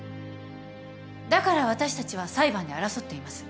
だから私たちは裁判で争っています。